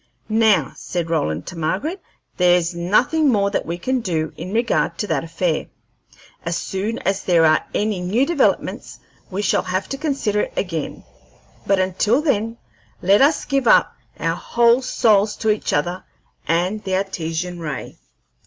"Now," said Roland to Margaret, "there's nothing more that we can do in regard to that affair. As soon as there are any new developments we shall have to consider it again, but until then let us give up our whole souls to each other and the Artesian ray."